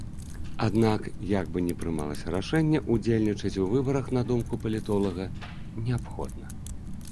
Аднак як бы ні прымалася рашэнне, удзельнічаць у выбарах, на думку палітолага, неабходна.